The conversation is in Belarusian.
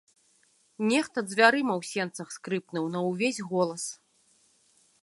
Нехта дзвярыма ў сенцах скрыпнуў на ўвесь голас.